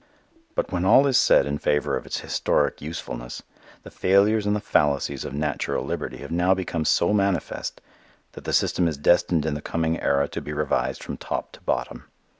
But when all is said in favor of its historic usefulness, the failures and the fallacies of natural liberty have now become so manifest that the system is destined in the coming era to be revised from top to bottom.